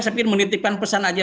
saya pikir menitipkan pesan aja